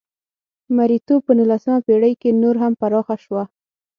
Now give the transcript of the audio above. مریتوب په نولسمه پېړۍ کې نور هم پراخه شوه.